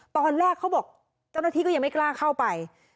ตอนแรกเขาบอกเจ้าหน้าที่ก็ยังไม่กล้าเข้าไป